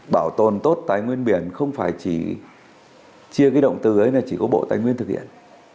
bảo tồn tốt tài nguyên biển không phải chỉ chia cái động từ ấy là chỉ có bộ tài nguyên thực hiện